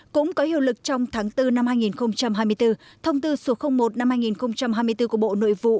cũng có hiệu lực trong tháng bốn năm hai nghìn hai mươi bốn thông tư số một năm hai nghìn hai mươi bốn của bộ nội vụ